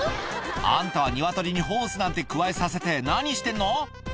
あんたは鶏にホースなんてくわえさせて、何してんの？